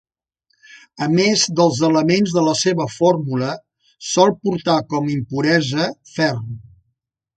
A més dels elements de la seva fórmula, sol portar com a impuresa ferro.